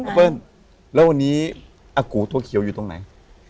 เปิ้ลแล้ววันนี้อากูตัวเขียวอยู่ตรงไหน